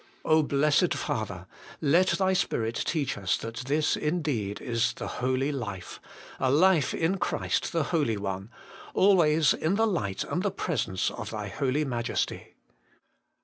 Blessed Father ! let Thy Spirit teach us that this indeed is the holy life : a life in Christ the Holy One, always in the Light and the Presence of Thy Holy Majesty.